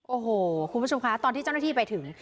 โอ้โหคุณผู้ชมคะตอนที่เจ้าหน้าที่ไปถึง